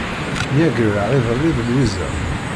Myagreɣ iḍelli d Lwiza.